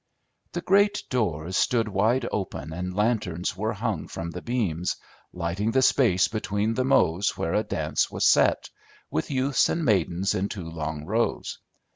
The great doors stood wide open and lanterns were hung from the beams, lighting the space between the mows where a dance was set, with youths and maidens in two long rows.